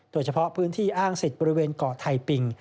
โดยเฉพาะพื้นที่อ้างสิทธิ์บริเวณเกาะไทยปิง